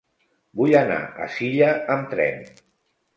Vull anar a Silla amb tren.